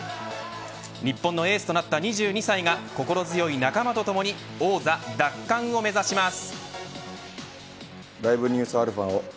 日本のエースとなった２２歳が心強い仲間とともにここからは１１月に開幕します